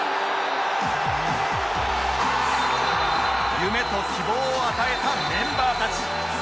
夢と希望を与えたメンバーたち